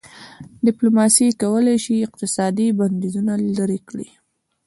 ډيپلوماسي کولای سي اقتصادي بندیزونه لېرې کړي.